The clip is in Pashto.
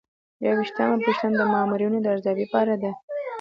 یوویشتمه پوښتنه د مامورینو د ارزیابۍ په اړه ده.